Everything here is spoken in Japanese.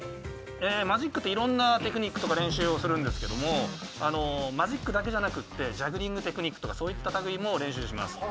マジックっていろんなテクニックとか練習をするんですけれども、マジックだけじゃなくてジャグリングテクニックとかそういった類いも練習します。